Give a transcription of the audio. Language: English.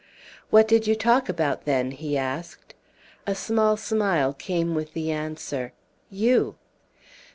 "What did you talk about, then?" he asked. A small smile came with the answer, "You!"